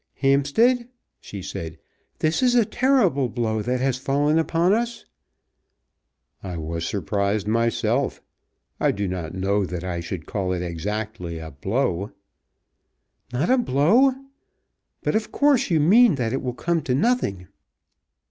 "Hampstead," she said, "this is a terrible blow that has fallen upon us." "I was surprised myself. I do not know that I should call it exactly a blow." "Not a blow! But of course you mean that it will come to nothing."